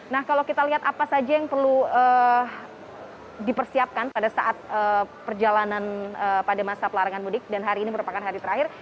nah kalau kita lihat apa saja yang perlu dipersiapkan pada saat perjalanan pada masa pelarangan mudik dan hari ini merupakan hari terakhir